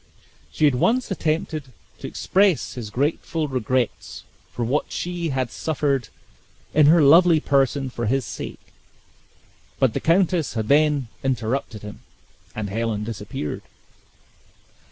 He had once attempted to express his grateful regrets for what she had suffered in her lovely person for his sake, but the countess had then interrupted him, and Helen disappeared.